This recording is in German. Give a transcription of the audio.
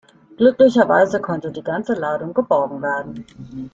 Glücklicherweise konnte die ganze Ladung geborgen werden.